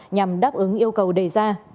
nhằm đáp ứng yêu cầu đề ra